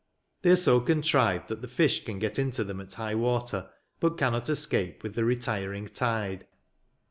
They are so contrived that the fish can get into them at high water, but cannot escape with the retiring tide.